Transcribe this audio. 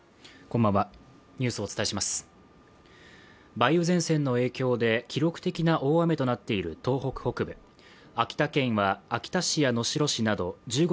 梅雨前線の影響で記録的な大雨となっている東北北部秋田県は、秋田市や能代市など１５